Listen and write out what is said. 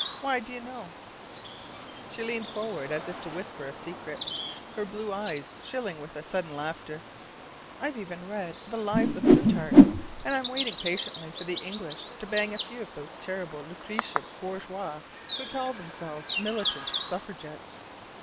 Why, do you know" she leaned forward, as if to whisper a secret, her blue eyes shilling with a sudden laughter "I've even read the 'Lives' of Plutarch, and I'm waiting patiently for the English to bang a few of those terrible Lucretia Borgias who call themselves militant suffragettes!"